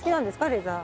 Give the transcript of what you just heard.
レザー。